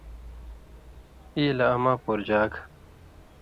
ای لہ اماں پورژاگ۔